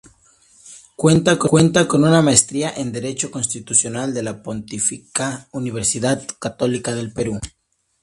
Cuenta con una maestría en Derecho Constitucional de la Pontificia Universidad Católica del Perú.